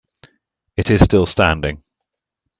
It is still standing.